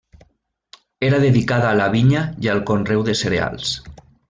Era dedicada a la vinya i al conreu de cereals.